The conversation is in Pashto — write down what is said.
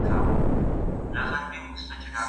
یاغي بنده یم د خلوت زولنې چېرته منم